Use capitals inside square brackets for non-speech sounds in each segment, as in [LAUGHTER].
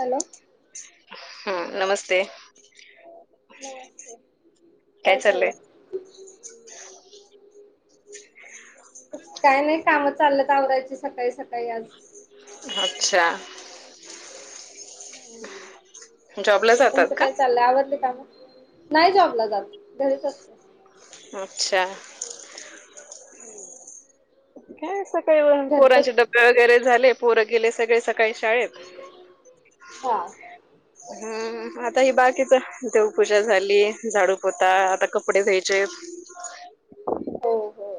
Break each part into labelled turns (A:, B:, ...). A: Hello!
B: हा नमस्ते!
A: नमस्ते! काय चाललंय? काय नाही काम चालल्यात आवरायची सकाळी सकाळी आज.
B: अच्छा... जॉबला जा
A: तुमचं काय चाललंय, आवरली कामं. नाही जॉबला जात घरीच असते.
B: अच्छा..
A: [INAUDIBLE]
B: काय सकाळी
A: घरचच
B: पोरांचे डब्बे वगैरे झाले, पोरं गेले सगळे स सकाळी शाळेत
A: हा
B: हं.. आता ही बाकीचं देवपूजा झाली, झाडू पोळ्या, आता कपडे धुवायचे.
A: हो हो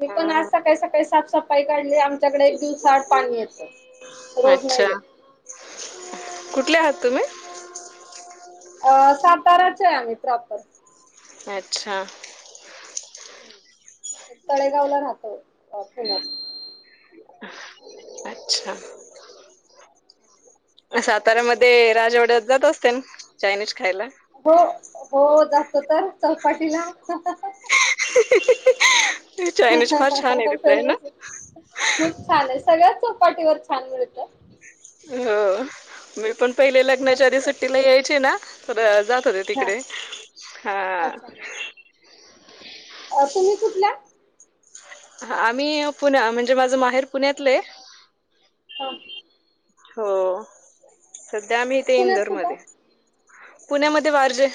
A: मी पण आज सकाळी सकाळी साफसफाई काढली, आमच्याकडे एक दिव-साआड पाणी येतं. रोज
B: अच्छा,
A: नाही येत
B: कुठले आहात तुम्हीं?
A: अ साताराचे आहे आम्हीं प्रॉपर.
B: अच्छा.
A: तळेगावला राहतो पुण्यात.
B: अच्छा. साताऱ्यामध्ये राजवाड्यात जात असताय ना चायनीज खायला.
A: हो, हो. जातो तर चौपाटीला. [UNINTELLIGIBLE]
B: चायनीज फार छान आहे तिथलं आहे ना
A: सर्वजण खूप छान आहेत. सगळ्याच चौपाटीवर छान मिळतं.
B: हो, मी पण पहिले लग्नाच्या आधी
A: मस्त
B: सुट्टीला यायचे ना तर जात होते
A: हा
B: तिकडे, हा..
A: अं तुम्हीं कुठल्या?
B: हा आम्हीं पुण्या म्हणजे माझं माहेर पुण्यातलंय.
A: हा
B: हो, सध्या आम्ही इथे
A: पुण्यात कुठं
B: इंदोरमध्ये आहे. पुण्यामध्ये वारजे.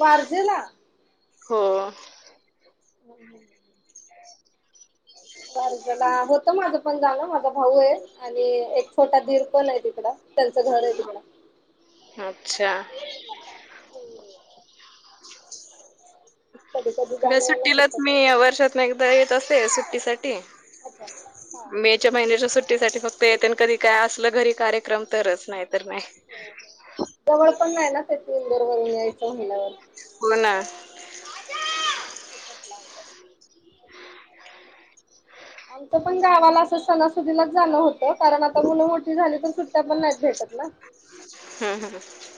A: वारजेला?
B: हो..
A: [UNINTELLIGIBLE] वारजेला होतं माझं पण जाणं माझा भाऊ हे. आणि एक छोटा दीर पण आहे तिकडं, त्यांचं घर आहे तिकडं.
B: अच्छा.
A: हो.. कधी कधी
B: ते काय
A: जाणं येणं
B: सुट्टीलाच
A: होतं
B: मी वर्षात तिनं एकदा येत असते, सुट्टीसाठी
A: अच्छा हा
B: मे त. च्या महिन्याच्या सुट्टीसाठी फक्त येते अन् कधी काय असलं घरी कार्यक्रम तरच नाही तर नाही.
A: जवळ पण नाही ना, ते इंदोरवरून यायचं म्हणटल्यावर.
B: हो, ना.
A: [INAUDIBLE] आमचं पण गावाला असं सणासुदीलाच जाणं होतं, कारण आता मुलं मोठी झालीत अन् सुट्ट्या पण नाहीत भेटत ना.
B: हं, हं, ह...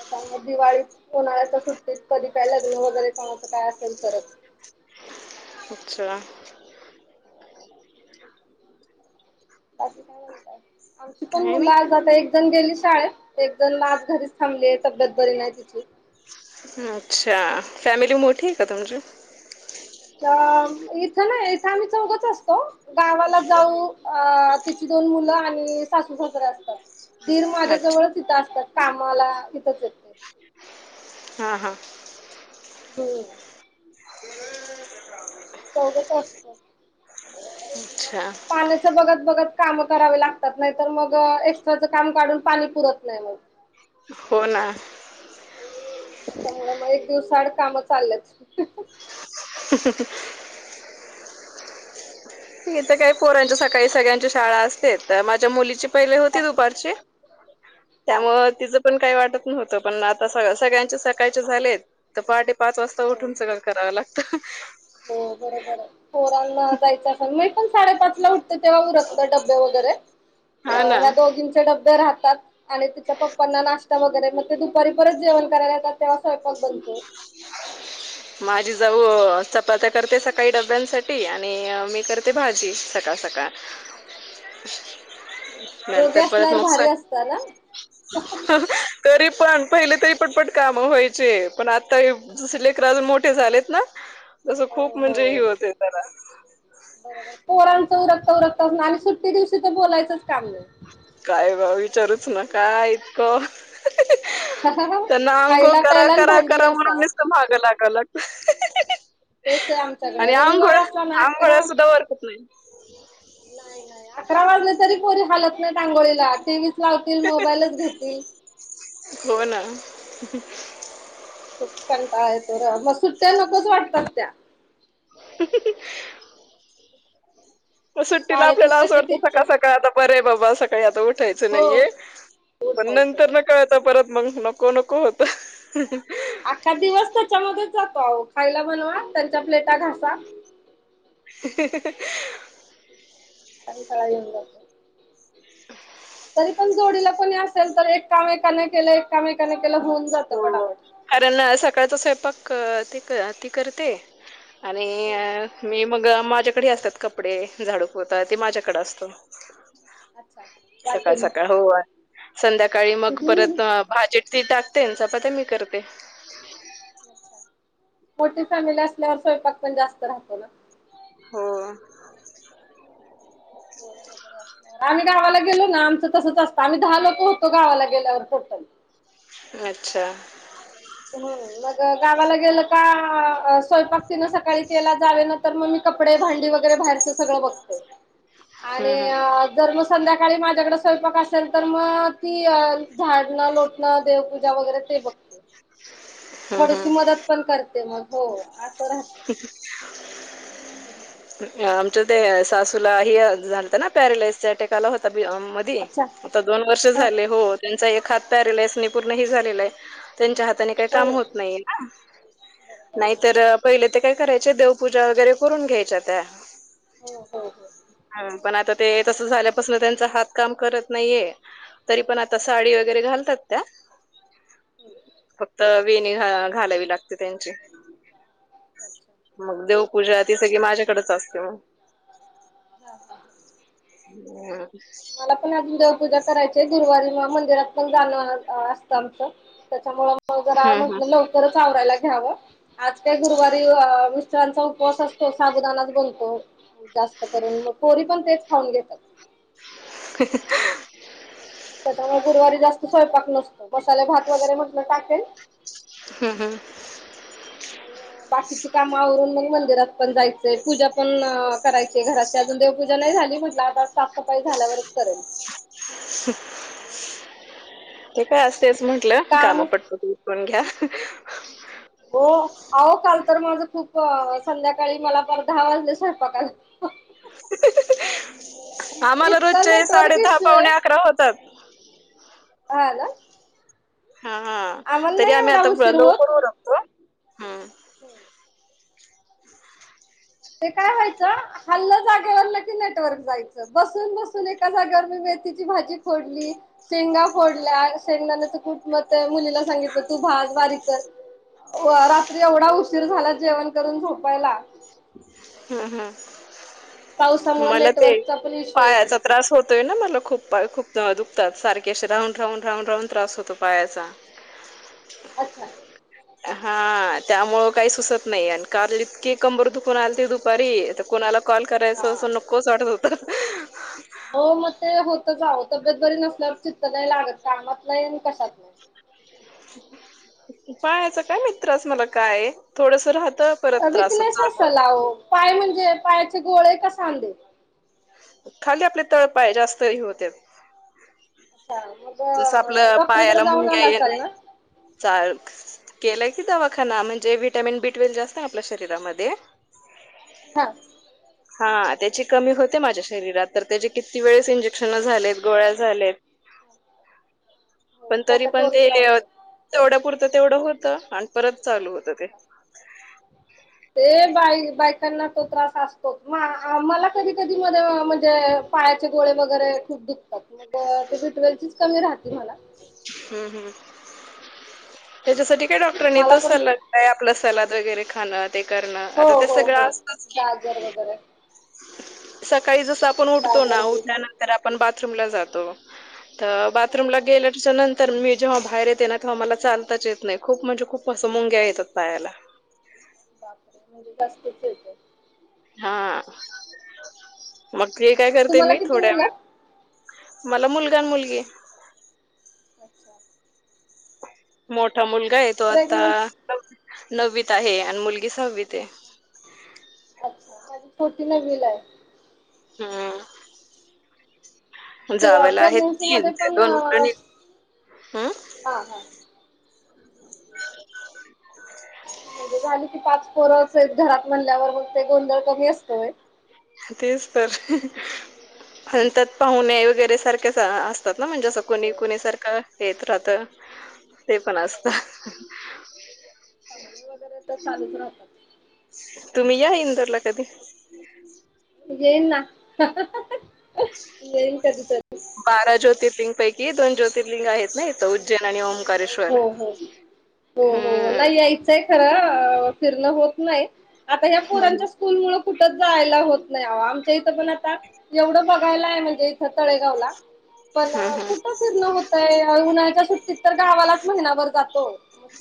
A: आता मग दिवाळीत, उन्हाळ्याच्या सुट्टीत, कधी काय लग्न वगैरे झा
B: [UNINTELLIGIBLE] अच्छा.....
A: बाकी काय म्हणतंय,.. आमची पण
B: काही नाही.
A: मुलं एक जण गेली शाळेत. एक जण आज घरीच थांबलीये, तब्येत बरी नाही तिची.
B: अच्छा, फॅमिली मोठी आहे का तुमची?
A: अ इथं नाही, इथं आम्ही चौघचं असतो गावाला जाऊ अ त्याची दोन मुलं आणि सासू, सासरे असतात, दीर माझ्या
B: अच्छा.
A: जवळचं इथं असतात. कामाला इथंच आहेत.
B: हा हा.
A: हम्म. चौघचं असतात.
B: अच्छा.
A: पाण्याचं बघत बघत कामं करावे लागतात नाही, तर मग एक्स्ट्राचं काम काढून पाणी पुरतं नाही मग.
B: हो ना.
A: त्यामुळे मग एक दिवसाआडं कामं चाललेत.
B: [UNINTELLIGIBLE] इथं काही पोरांच्या सकाळी सगळ्यांच्या शाळा असतेत, माझ्या मुलीची पहिले होती दुपारची
A: हा
B: त्यामुळे तिचं पण काय वाटत नव्हतं, पण आता सगळ्यांचे सकाळचे झालेत, तर पहाटे पाच वाजता
A: हो
B: उठून सगळं करावं लागत [UNINTELLIGIBLE]
A: हो बरोबर हाय, पोरांना जायचं असेल मी पण साडेपाचला उठ ते तेव्हा उरकते डब्बे वगैरे
B: हा ना.
A: ह्या दोघींचे डब्बे राहतात. आणि तिच्या पप्पांना नाश्ता वगैरे मग ते दुपारी परत जेवण करायला येतात, तेव्हा स्वयंपाक बनतो. हम्म.
B: माझी जाऊ चपात्या करते सकाळी डब्यांसाठी आणि मी करते भाजी सकाळ सकाळ.
A: दोघे
B: नंतर परत
A: असल्यावर
B: मग
A: भारी
B: सं
A: असत ना
B: तरी पण पहिले तरी पटपट काम व्हायचे. पण आता हे जसं लेकरं अजून मोठे झालेत ना तसं
A: हो
B: खूप म्हणजे हे
A: हो
B: होतेय त्याला.
A: बरोबर पोरांचं उरकता उरकता ना आणि सुट्टी दिवशी तर बोलायचंच काम नाही.
B: काय बा विचारूच नका काय इतकं त्यांना अंगोळ
A: खायला
B: करा
A: प्यायला आणि
B: करा
A: भांडी
B: करा म्हणून
A: घासा
B: निसतं मागं लागावं लागतं.
A: तेच आहे आमच्याकडं
B: आणि
A: रविवार
B: आंघोळ
A: असला ना अकरा
B: आंघोळ्या सुद्धा वरकत नाही
A: नाही नाही, अकरा वाजले तरी पोरी हालत नाही अंगोळीला टीव्हीचं लावतील मोबाईलचं घेतील.
B: हो ना.
A: खूप कंटाळा येतो ना मग सुट्ट्या नकोचं वाटतात त्या.
B: [UNINTELLIGIBLE] सुट्टीला आपल्याला
A: शाळेतच
B: असं
A: कशा
B: वाटतं सकाळ
A: टीचर
B: सकाळी आता बरे बाबा सकाळी आता उठायचं
A: हो
B: नाहीये. पण
A: उठायचं
B: नंतर
A: नाही
B: न कळतं परत मंग नको नको होतं.
A: अख्खा दिवस त्याच्यामध्येच जातो आओ खायला बनवा त्यांच्या प्लेटा घासा.
B: [UNINTELLIGIBLE]
A: [UNINTELLIGIBLE]
B: [INAUDIBLE]
A: तरी पण जोडीला कोणी असेल, तर एक काम एकाने केलं एक काम एकाने केलं होऊन जातं
B: हो
A: पटापट.
B: कारण सकाळचं स्वयंपाक ते ती करते आणि अ मी मग माझ्याकडे हे असतात कपडे झाडूपोता ते माझ्याकडे असतं.
A: अच्छा
B: सकाळ
A: वाटून
B: सकाळ हो संध्याकाळी मग
A: अच्छा.
B: परत भाजी ती टाकते अन् चपात्या मी करते.
A: मोठी फॅमिली असल्यावर स्वयंपाक पण जास्त राहतो ना.
B: हो.
A: पोरं वगैरे आस् आम्ही गावाला गेलो ना, आमचं तसंच असत. आम्ही दहा लोकं होतो गावाला गेल्यावर टोटल.
B: अच्छा.
A: होय. मग गावाला गेलं का, स्वयंपाक तिनं सकाळी केला, जावे नं. तर मग मी कपडे, भांडी वगैरे बाहेरचं सगळं बघते. आणि
B: हम्म हम्म
A: अ जर मग संध्याकाळी माझ्याकडे स्वयंपाक असेल, तर मग ती अ झाडणं-लोट नं, देवपूजा, वगैरे ते बघ
B: हम्म हम्म
A: थोडीशी मदत पण करते मग. हो, असं रा
B: ह ह.
A: हम्म.
B: आमच्या ते, सासूला ही अ झालतं ना, पॅरलाईस चा अटॅक आला होता बी अम् ती.
A: अच्छा
B: आता दोन वर्ष
A: हा
B: झाले, हो. त्यांचा एक हात पॅरेलाईस् नि पूर्ण हे झालेलाय. त्यांच्या हाताने काही काम
A: होय.
B: होत नाही. नाहीतर,
A: हो
B: पहिले ते काय करायचे. देव पूजा वगैरे करून घ्यायच्या त्या.
A: हो हो
B: हम्म. पण आता ते, तसं झाल्यापासनं त्यांचा हात काम करत नाहीये. तरी पण आता साडी, वगैरे घालतात त्या. फक्त वेणी, घाला घालावी लागते त्यांची.
A: अच्छा.
B: मग देवपूजा, ती सगळी माझ्याकडेच असते मग.
A: हा
B: हम्.
A: मला पण अजून देवपूजा करायचीये. गुरुवारी म मंदिरात पण जाणं अ आसतं आमचं. त्याच्यामुळं मग जरा,
B: हम्म
A: म्हटलं लवकरच आवरायला घ्यावं. आज काय गुरुवारी, अ मिस्टरांचा उपवास असतो. साबुदानाच बनतो. जास्त करून. मग पोरी पण तेच खाऊन घेतात.
B: [UNINTELLIGIBLE]
A: त्याच्यामुळे गुरुवारी जास्त स्वयंपाक नसतो. मसाले भात वगैरे म्हटलं टाकेन
B: हम, हम.
A: आणि बाकीची कामं आवरून, मग मंदिरात पण जायचंय. पूजा पण करायची घरा च्या. अजून देवपूजा नाही झाली म्हटलं, आता साफसफाई झाल्यावरच करेन.
B: ते काय असतंयच म्हंटलं.
A: काम
B: कामं पटपट ऊर ऊन घ्या.
A: हो. आहो, काल तर माझं खूप, संध्याकाळी मला पार दहा वाजले स्वयंपाकाला. [UNINTELLIGIBLE]
B: आम्हाला
A: इतका
B: रोजचे
A: नेटवर्क
B: साडे दहा
A: इश्यूय.
B: पावणे अकरा होतात
A: आलं?
B: हा, हा. तरी
A: नाही
B: आम्ही
A: एवढा
B: आता लवकर उरकतो. हम.
A: होय. ते काय व्हायचं हाल्लं जागेवरणं की, नेटवर्क जायचं. बसून- बसून एका जागेवर मेथीची भाजी खोडली. शेंगा फोडल्या. शेंगदाणानेच कुट म ते मुलीला सांगितलं, तू भाज, बारीक कर. व रात्री एवढा उशीर झाला, जेवण करून झोपायला
B: हम्, हम्.
A: पावसामुळे
B: मला ते,
A: नेटवर्कचा पण इश्यू आहे इकडं
B: पायाचा
A: खूप
B: त्रास होत तोय ना, मला खूप, खूप दुखतात सारखे असे राहून, राहून, राहून, राहून त्रास होतो, पायाचा.
A: अच्छा,
B: हा, त्यामु काही सुसत नाही. आणि कार इतकी कंबर दु कुणा चे दुपारी, तर कुणाला कॉल करायच,
A: हा
B: अस नकोच वाटत होत.
A: हो, मग ते होतच आव, तब्येत बरी नसल्यावर चित्त नाही लागत, कामात नाही कि कशात नाही.
B: पायाच काय चा काय त्रास मला, काय थोडस राहत.
A: विकनेस असल आव, पाय म्हणजे पायाचे गोळे कसे साधे,
B: खाली आपले, तळपाय जास्त हे होतेय.
A: अच्छा
B: जस,
A: मग
B: आपलं
A: डॉक्टरकडे
B: पायाला
A: जाऊन
B: मुंग्या
A: आला
B: येन,
A: असाल ना?
B: चार केलाय की दवाखाना, म्हणजे विटॅमिन बी ट्वेल जास्त आहे, आपल्या शरीरामध्ये.
A: हा,
B: हा, त्याची कमी होते माझ्या, श शरीरात, तर त्याचे किती वेळेस इंजेकशन झालेत, गोळ्या झालेत.
A: हो
B: पण, तरी
A: त्याचा
B: पण
A: कोर्स
B: ते
A: राहतो.
B: तेवढ्या पुरतं तेवढं होतं, आणि परत चालू होतं ते,
A: ते, बाय बायकांना तो त्रास असतो. मला कधी- कधी मध्ये म्हणजे, पायाचे गोळे वगैरे दुखतात, ते बिटवेलचीच कमी राहते, म्हणा
B: हम्म, हम् त्याच्यासाठी काय डॉक्टरनी
A: मला
B: तोच
A: पण
B: सला काय, आपलं सलाद वगैरे खाणं, ते करणं
A: हो
B: आता ते
A: हो
B: सगळं
A: हो
B: असतच की,
A: गाजर वगैरे
B: सकाळी जस आपण उठतो ना,
A: गाजर बीट
B: उठल्यानंतर आपण बाथरूम ला जातो. तर,
A: हा
B: बाथरूम ला गेलायचा नंतर तर मी जेव्हा बाहेर येते ना, तेव्हा मला चालताच येत नाही, खूप म्हणजे खूप असं मुंग्या येतात पायाला.
A: बापरे! म्हणजे जास्तच येत.
B: हा, मग ते काय करते
A: तुम्हाला
B: मी
A: किती
B: थोड्या
A: मुलं?
B: वेळ मला, मुलगा आणि, मुलगी आहे.
A: अच्छा,
B: मोठा मुलगा आहे. तो आता
A: प्रेग्नेन्स
B: नववीत आहे, आणि मुलगी सहा्वीत आहे.
A: अच्छा, माझी छोटी नवीला आहे.
B: हम,
A: ते
B: जावला आहे
A: प्रेग्नेन्सी
B: तीन,
A: मध्ये
B: ती
A: पण
B: दोन मुलंआणि,
A: हा
B: हम्
A: हा म्हणजे झाली की, पाच पोरंच आहेत घरात म्हणल्यावर, मग ते गोंधळ कमी असतोय.
B: तेच तर, आणि त्यात, पाहुणे वगैरे सारखे असतात ना, म्हणजे असं कुणी- कुणी सारखं येत राहत. ते, पण असत.
A: ते तर चालूच राहतात.
B: तुम्ही या, इंदोरला कधी,
A: येईन ना, येईन कधी तर.
B: बारा ज्योतिर्लिंगपैकी, दोन ज्योतर्लिंग आहेत ना इथं, उज्जैन, आणि ओकारेश्वर.
A: हो -हो- हो -हो नाही यायचंय खरं, फिरणं होत नाही. आता, या
B: हम्म
A: पोरांच्या स्कूल मुळ, कुठंच जायला होत नाही. आमच्या इथं पण आता एवढं बघायला आहे, म्हणजे इथं तळेगावला पण
B: हम्म हम्म
A: कुठं फिरणं होतय, उन्हाळच्या सुट्टीत तर गावालाच, महिनाभर जातो.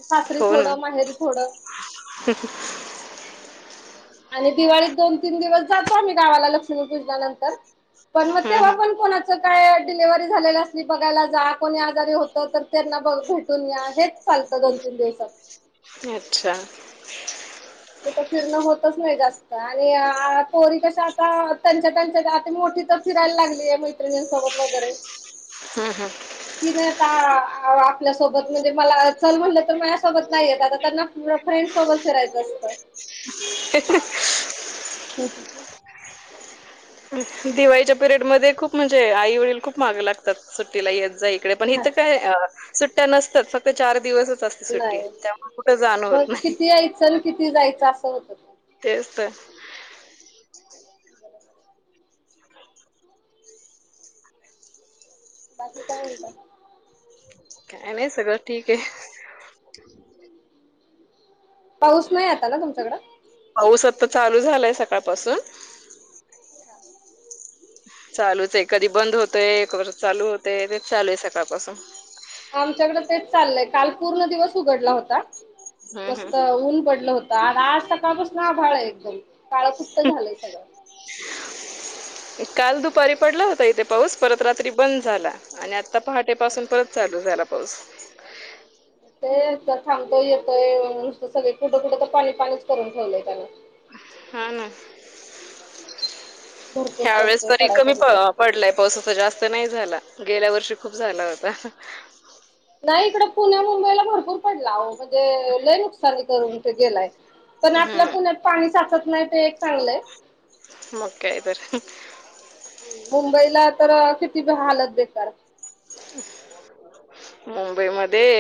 A: सासरी
B: हो ना
A: थोडं, माहेरी थोडं,
B: [UNINTELLIGIBLE]
A: आणि, दिवाळी त दोन, तीन दिवस जातो, आम्ही गावाला पूजनानंतर. पण, म
B: हम्म
A: तेव्हा पण कोणाच काय, डिलिव्हरी झालेलं असली बघायला जा, कोणी आजारी होत, तर त्यांना बघ भेटून या हेच चालतं दोन -तीन दिवसात.
B: अच्छा...
A: कुठं फिरणं होतच नाही जास्त. आणि... पोरी कशा.... आता त्यांच्या- त्यांच्या त्या आणि मोठी तर फिरायला लागलीये मैत्रिणींसोबत वैगैरे...
B: हम.... हम...
A: ती नाही आता... आपल्यासोबत म्हणजे मला चल म्हटलं तर माझ्यासोबत नाही येत आता त्यांना... तिला फ्रेंड सोबत फिरायच असतं.
B: ह....
A: [UNINTELLIGIBLE]
B: दिवाळीच्या पिरियड मध्ये खूप म्हणजे आई वडील खूप माग लागतात सुट्टीला येत जा. पण इथ काय.... सुट्टया नसतात फक्त चार असतं... सुट्टी
A: नाही.
B: त्यामुळे कुठ जाण
A: मग
B: होत नाही.
A: किती यायचं आणि किती जायचं असं होतं ते.
B: तेच तर....
A: बाकी काय म्हणता.
B: काय नाही सगळं ठीक आहे. [UNINTELLIGIBLE]
A: पाऊस नाही आता ना तुमच्याकडं.
B: पाऊस आता चालू झालाय सकाळपासून. चालूच आहे. कधी बंद होतय. एकवर चालू होतय तेच चालू आहे सकाळ पासून.
A: आमच्याकडे तेच चाललंय काल पूर्ण दिवस उघडला होता.
B: हम्म हम्म
A: मस्त ऊन पडलं होत. आज सकाळपासून आभाळ आहे. एकदम काळं कुट झालंय सगळ.
B: काल दुपारी पडला होता इथे पाऊस परत रात्री बंद झाला. आणि आता पहाटे.... ते पासून
A: अच्छा.
B: परत चालू झाला पाऊस.
A: ते थांबतोय येतोय नुसतं सगळे कुठं- कुठं तर पाणी- पाणीच करून ठेवलंय त्यान.
B: हा.. ना..
A: भरपूर
B: ह्या वेळेस
A: पडतोय
B: तरी
A: पडायचा
B: कमी पळ...
A: तिथं.
B: पडलाय पावस जास्त नाही झाला. गेल्या वर्षी खूप झाला होता.
A: नाही इकडं पुण्या मुंबईला भरपूर पडला आओ... म्हणजे... लय नुकसानी करून ते गेला य. पण आपल्या
B: हम्म.
A: पुण्यात पाणी साचत नाही ते एक चांगलंय.
B: मग काय तर..
A: मुंबईला तर किती भी हालत बेकार....
B: मुंबई मध्ये...